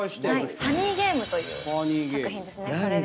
『ファニーゲーム』という作品ですね。